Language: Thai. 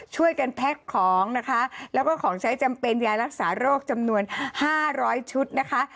ช่วยกันแพ็คของนะคะแล้วก็ของใช้จำเป็นยารักษาโรคจำนวน๕๐๐ชุดนะคะ